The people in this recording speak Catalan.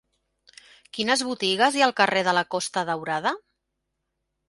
Quines botigues hi ha al carrer de la Costa Daurada?